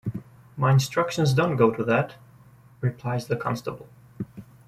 "My instructions don't go to that," replies the constable.